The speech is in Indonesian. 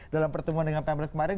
dalam pertemuan dengan pemret kemarin